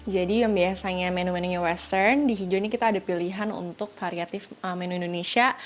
jadi yang biasanya menu menunya western di hijau ini kita ada pilihan untuk variatif menu indonesia